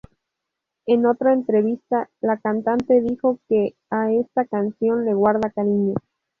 En otra entrevista la cantante dijo que a esta canción le guarda cariño.